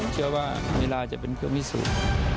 เชื่อว่าเวลาจะเป็นเครื่องวิสุทธิ์